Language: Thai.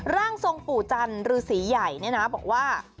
ร่างทรงปู่จันทร์ฤษีใหญ่เนี่ยนะบอกว่า